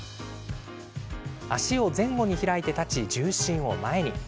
足を前後に開いて立ち重心を前に。